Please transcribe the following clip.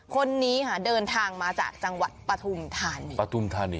คนนี้ค่ะเดินทางมาจากจังหวัดปทุมธานิ